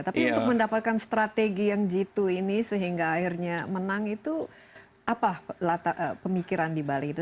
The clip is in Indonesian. tapi untuk mendapatkan strategi yang jitu ini sehingga akhirnya menang itu apa pemikiran di bali itu